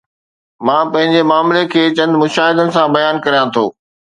مان پنهنجي معاملي کي چند مشاهدن سان بيان ڪريان ٿو.